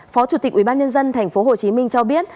phó chủ tịch ủy ban nhân dân tp hcm cho biết